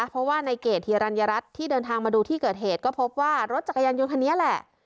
เพราะว่าในเกดฮิรัญรัฐที่เดินทางมาดูที่เกิดเหตุก็พบว่ารถจักรยานยนต์คันนี้แหละ